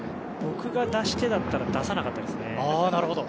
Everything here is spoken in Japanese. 僕が出し手だったら出さなかったですね。